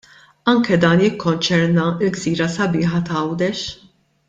Anke dan jikkonċerna l-gżira sabiħa t'Għawdex.